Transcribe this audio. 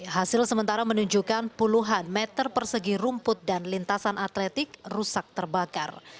hasil sementara menunjukkan puluhan meter persegi rumput dan lintasan atletik rusak terbakar